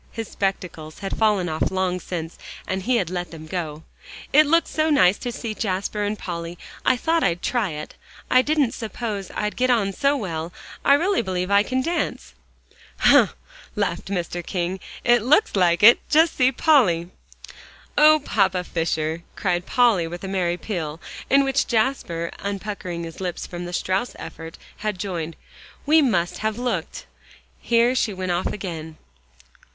His spectacles had fallen off long since, and he had let them go. "It looked so nice to see Jasper and Polly, I thought I'd try it. I didn't suppose I'd get on so well; I really believe I can dance." "Humph!" laughed Mr. King, "it looks like it. Just see Polly." "Oh, Papa Fisher!" cried Polly with a merry peal in which Jasper, unpuckering his lips from the Strauss effort, had joined, "we must have looked" Here she went off again.